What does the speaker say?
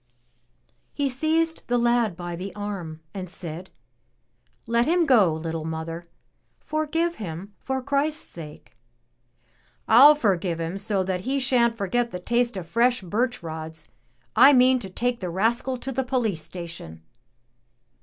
He seized the lad by the arm and said: "Let him go, little mother! Forgive him for Christ's sake." "I'll forgive him so that he shan't forget the taste of fresh birch rods. I mean to take the rascal to the poUce station."